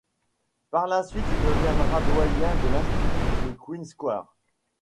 Par la suite, il deviendra doyen de l'Institut de Queen Square.